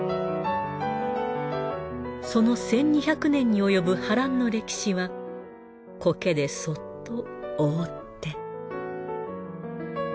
その千二百年に及ぶ波乱の歴史は苔でそっと覆って。